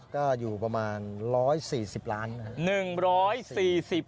ก็อยู่ประมาณ๑๔๐ล้านบาท